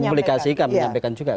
mempublikasikan menyampaikan juga